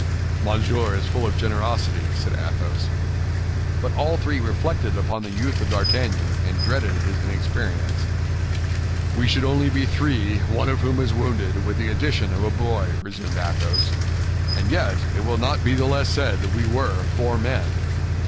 "Monsieur is full of generosity," said Athos. But all three reflected upon the youth of D'Artagnan, and dreaded his inexperience. "We should only be three, one of whom is wounded, with the addition of a boy," resumed Athos; "and yet it will not be the less said we were four men."